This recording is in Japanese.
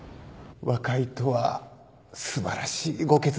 和解とは素晴らしいご決断でございます。